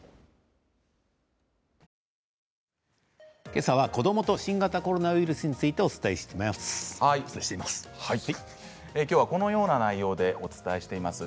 けさは子どもと新型コロナウイルスについてお伝えしています。